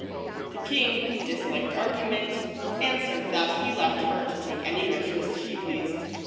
The king, who disliked argument, answered that he left her to take any measures she pleased.